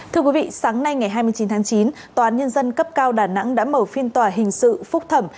thưa quý vị sáng nay ngày hai mươi chín tháng chín tòa án nhân dân cấp cao đà nẵng đã mở phiên tòa hình sự phúc thẩm